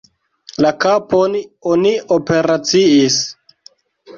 La kapon oni operaciis.